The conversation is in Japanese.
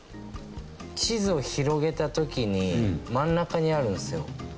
地図を広げた時に真ん中にあるんですよ。